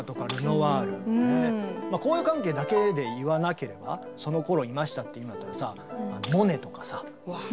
交友関係だけで言わなければそのころいましたって言うんだったらさ